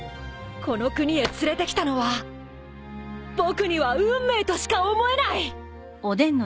この国へ連れてきたのは僕には運命としか思えない！